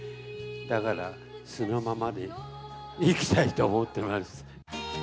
だから素のままでいきたいと思ってます。